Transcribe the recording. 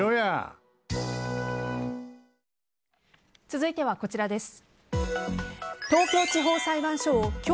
続いては、こちらです。